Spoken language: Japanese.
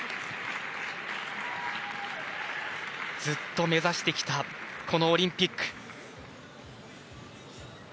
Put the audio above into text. ずっと目指してきたこのオリンピック。